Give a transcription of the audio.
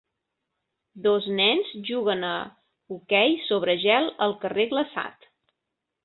Dos nens juguen a hoquei sobre gel al carrer glaçat.